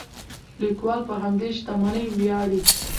لیکوال په همدې شتمنۍ ویاړي.